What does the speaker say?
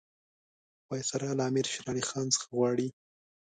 وایسرا له امیر شېر علي خان څخه غواړي.